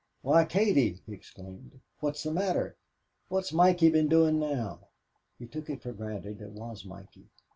"Why, Katie!" he exclaimed. "What's the matter? What's Mikey been doing now?" He took it for granted it was Mikey.